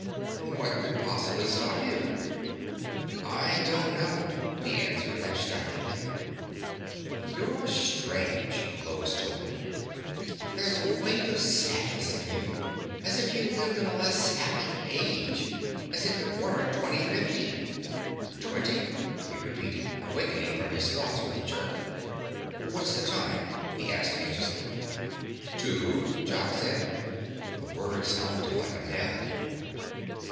"What could possibly stop you?" "I don't know," he answered abstractedly. "You're strange," Lois told him. "There's a weight of sadness in you. As if you lived in a less happy age. As if it weren't 2050." "Twenty?" he repeated, awakening from his thoughts with a jerk. "What's the time?" he asked anxiously. "Two," Jock said. The word sounded like a knell.